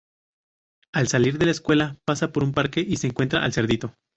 Al salir de la escuela pasa por un parque y se encuentra al cerdito.